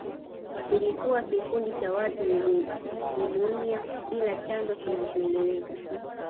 Ulikuwa kikundi cha watu wenye nimonia bila chanzo kinachoeleweka